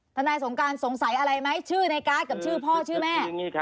นายสงการสงสัยอะไรไหมชื่อในการ์ดกับชื่อพ่อชื่อแม่